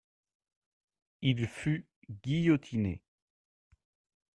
Il fut guillotiné.